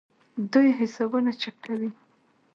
دوی حسابونه چک کوي.